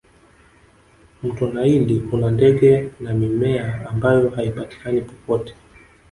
mto naili una ndege na mimea ambayo haipatikani popote